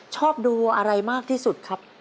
ชอบดูอะไรมากที่สุดครับ